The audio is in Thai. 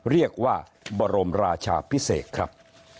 เรียกว่าบรมราชาพิเศษครับ